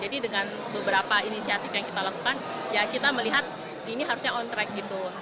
jadi dengan beberapa inisiatif yang kita lakukan kita melihat ini harusnya on track